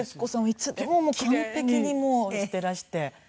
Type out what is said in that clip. いつでも完璧にもうしていらして。